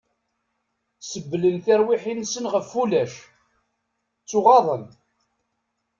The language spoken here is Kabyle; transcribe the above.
Sebblen tirwiḥin-nsen ɣef ulac... ttuɣaḍen!